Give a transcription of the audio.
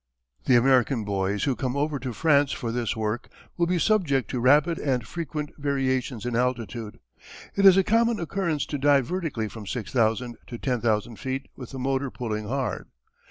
The American boys who come over to France for this work will be subject to rapid and frequent variations in altitude. It is a common occurrence to dive vertically from six thousand to ten thousand feet with the motor pulling hard.